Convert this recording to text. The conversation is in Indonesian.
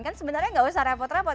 kan sebenarnya nggak usah repot repot